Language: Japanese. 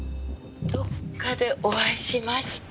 どっかでお会いしました？